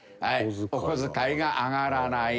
お小遣いが上がらない。